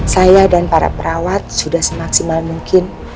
saya dan para perawat sudah semaksimal mungkin